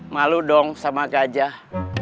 malu dong sama gajah